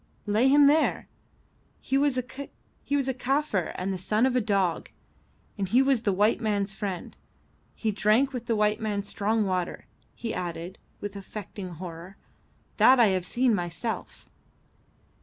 "Lay him there. He was a Kaffir and the son of a dog, and he was the white man's friend. He drank the white man's strong water," he added, with affected horror. "That I have seen myself."